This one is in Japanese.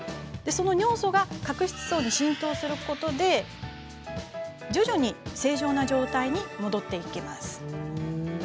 尿素が角質層に浸透することで徐々に正常な状態に戻っていきます。